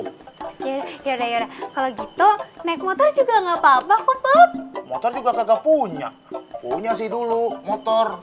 kalau gitu naik motor juga nggak papa kok bob motor juga nggak punya punya sih dulu motor